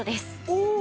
おお。